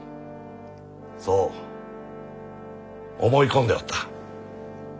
そう思い込んでおった。